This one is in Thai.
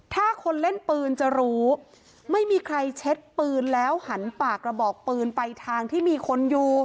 ถ้าคนเล่นปืนจะรู้ไม่มีใครเช็ดปืนแล้วหันปากกระบอกปืนไปทางที่มีคนอยู่